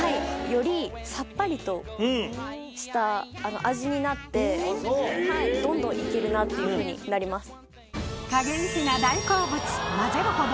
よりさっぱりとした味になってどんどん行けるなっていうふうになります。